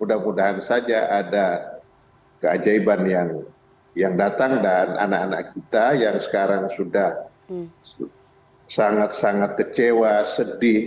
mudah mudahan saja ada keajaiban yang datang dan anak anak kita yang sekarang sudah sangat sangat kecewa sedih